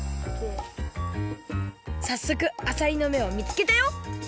さっそくあさりの目を見つけたよ！